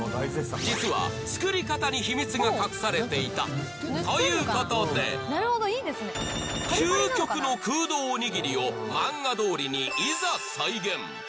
実は作り方に秘密が隠されていたということで究極の空洞おにぎりを漫画どおりにいざ再現！